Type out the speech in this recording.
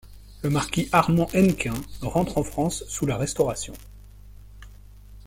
Le marquis Armand Hennequin rentre en France sous la Restauration.